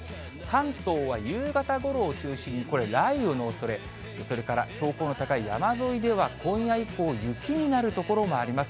関東は夕方ごろを中心に、これ、雷雨のおそれ、それから標高の高い山沿いでは、今夜以降、雪になる所もあります。